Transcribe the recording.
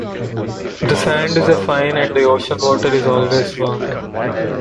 The sand is a fine and the ocean water is always warm.